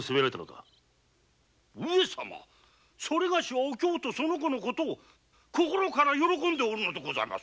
私はお京とその子のことを心から喜んでおるのでございます。